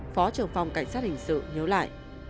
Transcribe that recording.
phó trưởng phòng cảnh sát hình sự nhớ lại